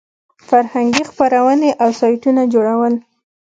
فرهنګي خپرونې او سایټونه جوړول.